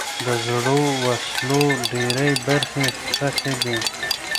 د زړو وسلو ډېری برخې ښخي دي.